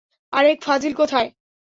আরেক ফাজিল কোথায়?